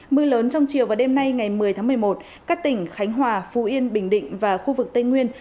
mưa lớn trong chiều và đêm nay ngày một mươi tháng một mươi một các tỉnh khánh hòa phú yên bình định và khu vực tây nguyên